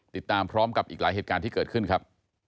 ติดตามพร้อมกับอีกหลายเหตุการณ์ที่เกิดขึ้นครับ